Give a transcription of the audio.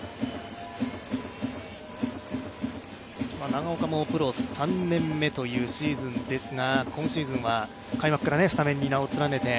長岡もプロ３年目というシーズンですが、今シーズンは開幕からスタメンに名を連ねて。